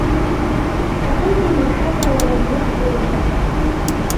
تَقِيهِمْ الْحَرَّ وَلَمْ يَذْكُرْ الْبَرْدَ